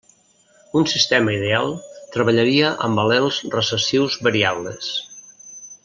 Un sistema ideal treballaria amb al·lels recessius variables.